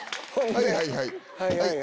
はいはいはいはい。